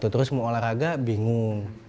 terus mau olahraga bingung